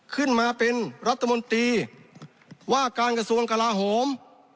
ขึ้นมาเป็นรัฐมนตรีว่าการกระทรวงกลาโหม